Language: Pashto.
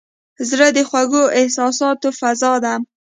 زړه د خوږو احساساتو فضا ده.